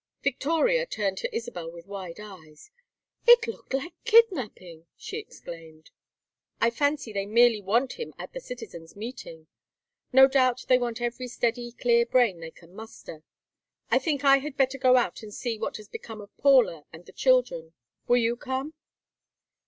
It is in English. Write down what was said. Victoria turned to Isabel with wide eyes. "It looked like kidnapping!" she exclaimed. "I fancy they merely want him at the citizens' meeting. No doubt they want every steady clear brain they can muster. I think I had better go out and see what has become of Paula and the children. Will you come?"